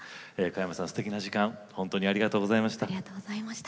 加山さん、すてきな時間本当にありがとうございました。